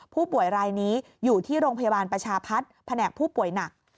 ผู้ป่วยรายนี้อยู่ที่โรงพยาบาลประชาพัฒน์แผนกผู้ป่วยหนัก